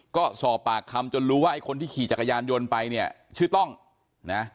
ก็สอบปากคำจนรู้ว่าไอ้คนที่ขี่จักรยานยนต์ไปเนี่ยชื่อต้องนะ